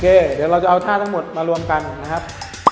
เดี๋ยวเราจะเอาท่าทั้งหมดมารวมกันนะครับ